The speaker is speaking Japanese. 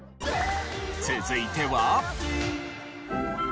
続いては。